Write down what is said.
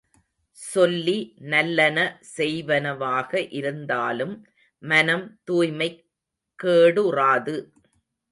சொல்லி, நல்லன செய்வனவாக இருந்தாலும் மனம் தூய்மைக் கேடுறாது.